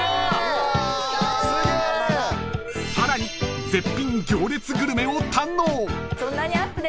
［さらに絶品行列グルメを堪能］